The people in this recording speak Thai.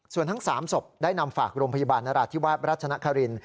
ส่วนทั้ง๓ศพได้นำฝากโรงพยาบาลนราธิวาสรัชนคริน